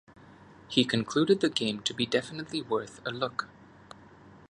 He concluded the game to be definitely worth a look.